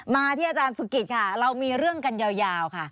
มาที่อาจารย์สุกิตค่ะเรามีเรื่องกันยาวค่ะ